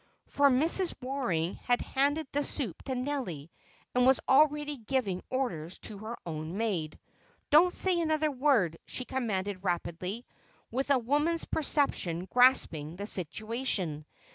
For Mrs. Waring had handed the soup to Nelly and was already giving orders to her own maid. "Don't say another word," she commanded rapidly, with a woman's perception grasping the situation.